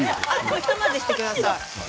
一混ぜしてください。